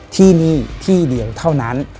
ที่นี่ที่เดียวเท่านั้น